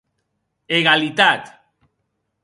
Egalitat!